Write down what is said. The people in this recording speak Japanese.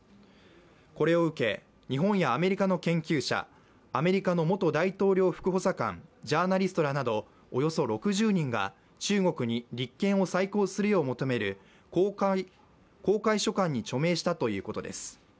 これを受け、日本やアメリカの研究者、アメリカの元大統領副補佐官ジャーナリストらなどおよそ６０人が中国に立件を再考するよう求める公開書簡に署名したということです。